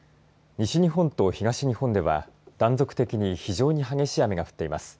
西日本と東日本では断続的に非常に激しい雨が降っています。